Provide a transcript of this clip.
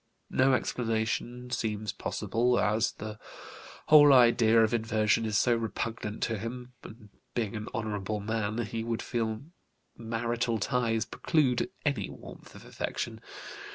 No explanation seems possible, as the whole idea of inversion is so repugnant to him, and being an honorable man he would feel marital ties preclude any warmth of affection.